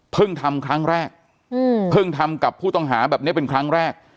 ทำครั้งแรกเพิ่งทำกับผู้ต้องหาแบบนี้เป็นครั้งแรก